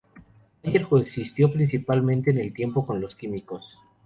Bayer coexistió parcialmente en el tiempo con los químicos.